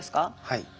はい。